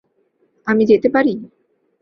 আমি যেতে পারি?